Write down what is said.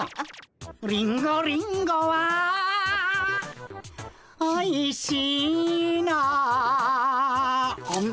「リンゴリンゴはおいしいな」あむ。